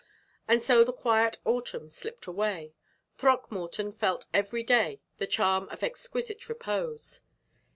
And so the quiet autumn slipped away. Throckmorton felt every day the charm of exquisite repose.